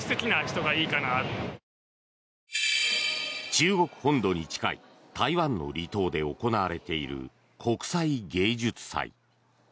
中国本土に近い台湾の離島で行われている国際芸術祭。